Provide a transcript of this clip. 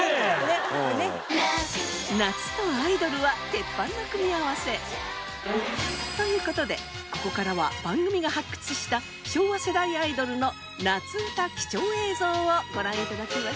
夏とアイドルは鉄板の組み合わせ。という事でここからは番組が発掘した昭和世代アイドルの夏うた貴重映像をご覧頂きましょう。